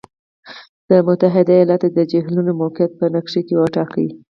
د متحد ایالاتو د جهیلونو موقعیت په نقشې کې وټاکئ.